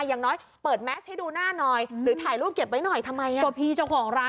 อย่างน้อยเปิดแมสให้ดูหน้าหน่อยหรือถ่ายรูปเก็บไว้หน่อยทำไมอ่ะก็พี่เจ้าของร้าน